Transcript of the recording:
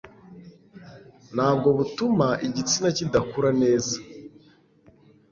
nabwo butuma igitsina kidakura neza